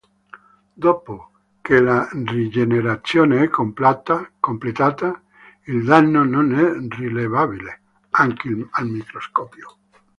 Dopo che la rigenerazione è completata, il danno non è rilevabile, anche al microscopio.